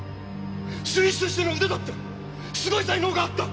摺師としての腕だってすごい才能があった！